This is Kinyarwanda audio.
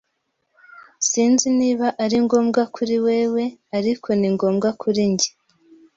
Sinzi niba ari ngombwa kuri wewe, ariko ni ngombwa kuri njye.